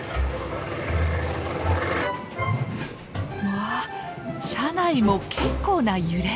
わあ車内も結構な揺れ。